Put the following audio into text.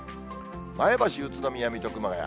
前橋、宇都宮、水戸、熊谷。